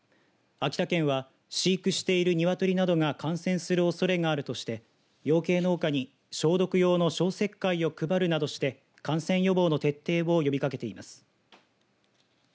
秋田県は飼育している鶏などが感染するおそれがあるとして養鶏農家に消毒用の消石灰を配るなどして感染予防の徹底を呼びかけています。